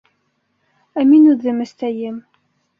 Ә мин үҙем эстәйем.